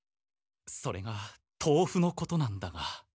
それがとうふのことなんだが。